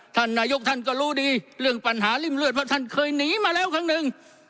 ท่านนายกท่านก็รู้ดีเรื่องปัญหาริ่มเลือดเพราะท่านเคยหนีมาแล้วครั้งหนึ่ง